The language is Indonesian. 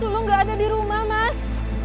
lulu enggak ada di rumah mas